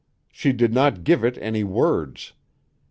She did not give it any words.